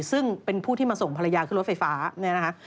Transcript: ซึ่งเป็นผู้ที่มาส่งภรรยาขึ้นรถไฟฟ้าเนี่ยนะคะ